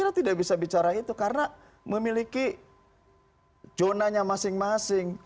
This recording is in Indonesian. nggak bisa bicara itu karena memiliki zonanya masing masing